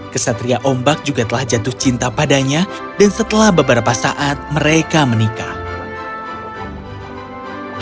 kesatria ombak juga telah jatuh cinta padanya dan setelah beberapa saat mereka menikah